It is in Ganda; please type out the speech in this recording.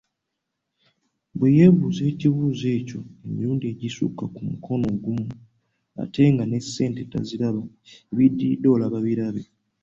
Bwe yeebuuza ekibuuzo ekyo emirundi egisukka ku mukono ogumu ate nga n'esente taziraba ebiddirira olaba birabe!